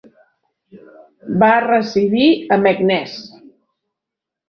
Va residir a Meknès.